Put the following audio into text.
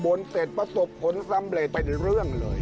เสร็จประสบผลสำเร็จเป็นเรื่องเลย